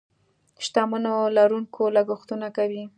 شتمنيو لرونکي لګښتونه کوي.